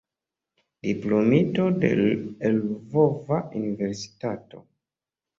Diplomito de Lvova Universitato.